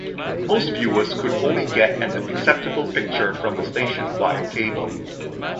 Most viewers could only get an acceptable picture from the station via cable.